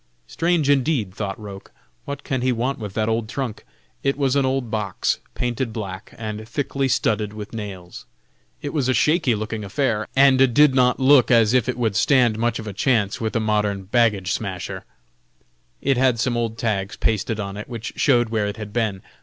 Strange indeed, thought Roch, what can he want with that old trunk? It was an old box, painted black, and thickly studded with nails. It was a shaky looking affair, and did not look as if it would stand much of a chance with a modern "baggage smasher." It had some old tags pasted on it, which showed where it had been.